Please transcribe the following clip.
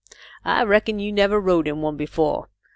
" I reckon you never rode in one before.